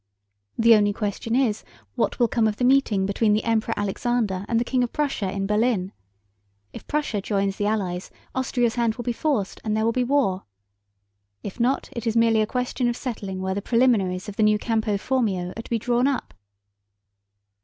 "The only question is what will come of the meeting between the Emperor Alexander and the King of Prussia in Berlin? If Prussia joins the Allies, Austria's hand will be forced and there will be war. If not it is merely a question of settling where the preliminaries of the new Campo Formio are to be drawn up."